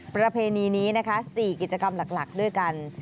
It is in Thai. ประเพณีนี้นะคะ๔กิจกรรมหลักด้วยกัน